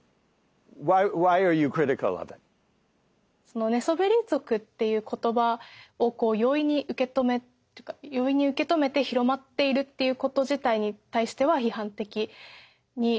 その寝そべり族っていう言葉を容易に受け止めて広まっていること自体に対しては批判的に考えています。